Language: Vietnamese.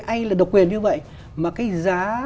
ai là độc quyền như vậy mà cái giá